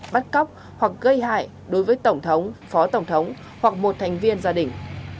bắt cóc hoặc gây hại đối với tổng thống phó tổng thống hoặc một thành viên gia đình